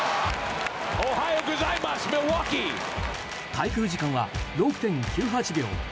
滞空時間は６．９８秒。